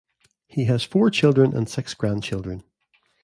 He has four children and six grandchildren.